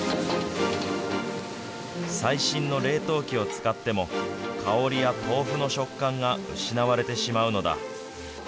最新の冷凍機を使っても、香りや豆腐の食感が失われてしまうのだ。